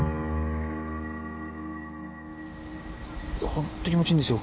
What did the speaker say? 本当気持ちいいんですよ